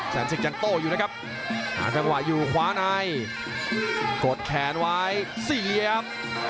แสนศึกจันโต้อยู่นะครับหากันว่าอยู่ขวาในกดแขนไว้สี่เอียบ